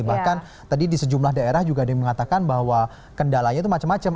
bahkan tadi di sejumlah daerah juga ada yang mengatakan bahwa kendalanya itu macam macam